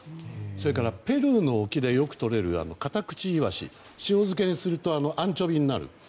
それからペルーの沖でよくとれるカタクチイワシ塩漬けにするとアンチョビになる。